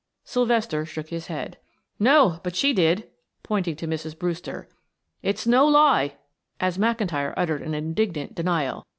Sylvester shook his head. "No, but she did," pointing to Mrs. Brewster. "It's no lie," as McIntyre uttered an indignant denial.